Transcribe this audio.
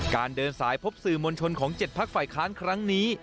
เดินสายพบสื่อมวลชนของ๗พักฝ่ายค้านครั้งนี้